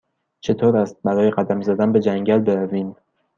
چطور است برای قدم زدن به جنگل برویم؟